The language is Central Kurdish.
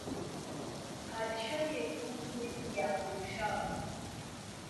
پادشایهک بوو نێوی ياقوب شا بوو